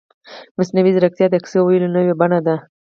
مصنوعي ځیرکتیا د کیسو ویلو نوې بڼه ده.